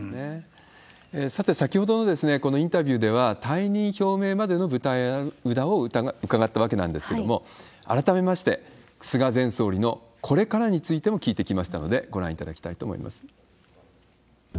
さて、先ほどのインタビューでは退任表明までの舞台裏を伺ったわけなんですけれども、改めまして、菅前総理のこれからについても聞いてきましたので、ご覧いただきたいと思います。